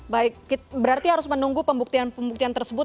baik berarti harus menunggu pembuktian pembuktian tersebut